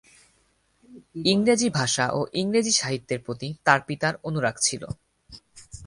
ইংরেজি ভাষা ও ইংরেজি সাহিত্যের প্রতি তার পিতার অনুরাগ ছিল।